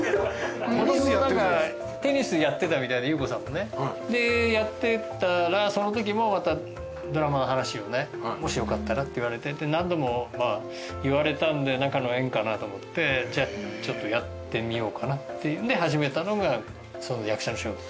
もともとテニスやってたみたいでゆう子さんもね。でやってたらそのときもまたドラマの話をねもしよかったらって言われて何度も言われたんで何かの縁かなと思ってじゃあちょっとやってみようかなっていうんで始めたのが役者の仕事。